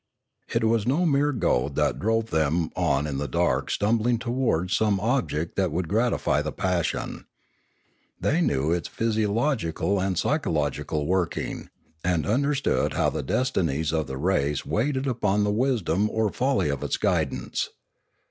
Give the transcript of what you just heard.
It was no mere goad that drove them on in the dark stumbling towards some object that would gratify the passion. They knew its physio logical and psychological working, and understood how the destinies of the race waited upon the wisdom or folly of its guidance.